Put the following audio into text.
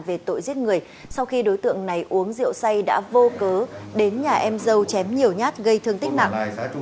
em dâu chém nhiều nhát gây thương tích nặng